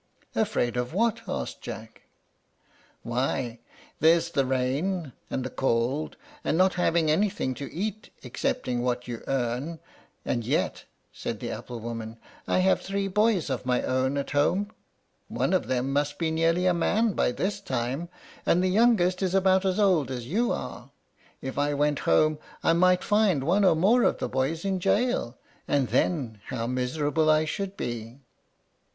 "Afraid of what?" asked Jack. "Why, there's the rain and the cold, and not having anything to eat excepting what you earn. And yet," said the apple woman, "I have three boys of my own at home; one of them must be nearly a man by this time, and the youngest is about as old as you are. If I went home I might find one or more of those boys in jail, and then how miserable I should be."